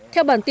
theo bản tin